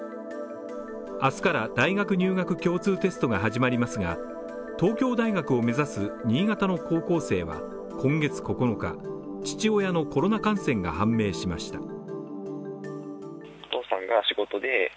明日から大学入学共通テストが始まりますが、東京大学を目指す新潟の高校生は今月９日、父親のコロナ感染が判明しました。